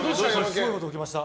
すごいこと起きました。